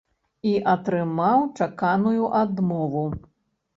І атрымаў чаканую адмову.